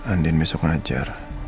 andin besok ngajar